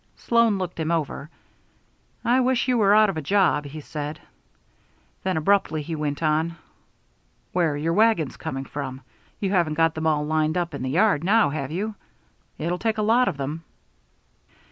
Sloan looked him over. "I wish you were out of a job," he said. Then abruptly he went on: "Where are your wagons coming from? You haven't got them all lined up in the yard now, have you? It'll take a lot of them."